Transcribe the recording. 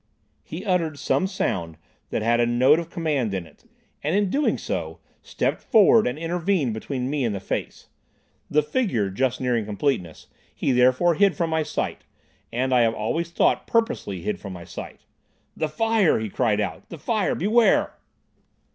He uttered some sound that had a note of command in it—and, in so doing, stepped forward and intervened between me and the face. The figure, just nearing completeness, he therefore hid from my sight—and I have always thought purposely hid from my sight. "The fire!" he cried out. "The fire! Beware!"